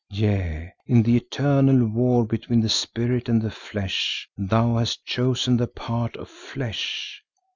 Yea, in the eternal war between the spirit and the flesh, thou hast chosen the part of flesh.